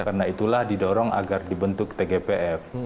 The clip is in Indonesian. karena itulah didorong agar dibentuk tgpf